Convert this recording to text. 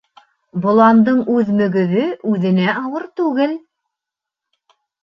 Боландың үҙ мөгөҙө үҙенә ауыр түгел.